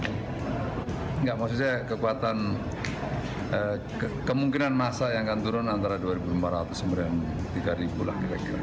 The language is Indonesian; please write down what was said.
tidak maksud saya kekuatan kemungkinan masa yang akan turun antara dua lima ratus menang tiga ribu lah